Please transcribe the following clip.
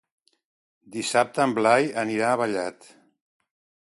Dissabte en Blai anirà a Vallat.